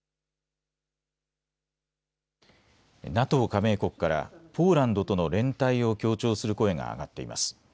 ＮＡＴＯ加盟国からポーランドとの連帯を強調する声が上がっています。